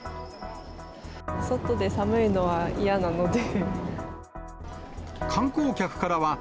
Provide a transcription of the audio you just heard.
外で寒いのは嫌なので。